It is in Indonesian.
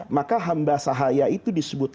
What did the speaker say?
maka hamba sahaya itu disebut